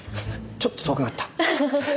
ちょっと遠くなった！